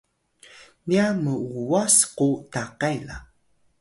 niya m’uwas ku takay la